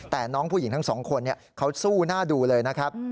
แต่น้องผู้หญิงทั้งสองคนเขาสู้หน้าดูเลยนะครับ